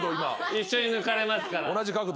一緒に抜かれますから。